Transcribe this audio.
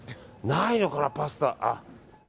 ないのかな、パスタ。